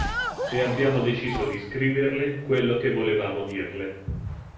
E abbiamo deciso di scriverle quello che volevamo dirle.